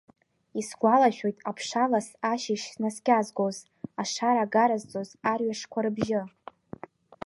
Исгәалашәоит аԥшалас ашьыжь снаскьазгоз, ашара гаразҵоз арҩашқәа рыбжьы.